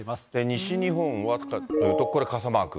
西日本はというと、これ、傘マーク。